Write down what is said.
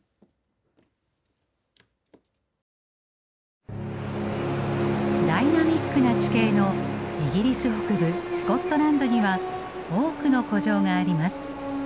ダイナミックな地形のイギリス北部スコットランドには多くの古城があります。